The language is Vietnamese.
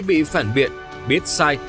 bị phản biện biết sai